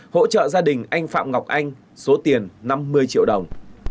hỗ trợ gia đình anh phạm ngọc anh số tiền năm mươi triệu đồng